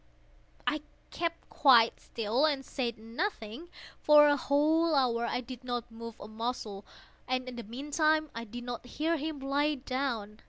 I kept quite still and said nothing. For a whole hour I did not move a muscle, and in the meantime I did not hear him lie down.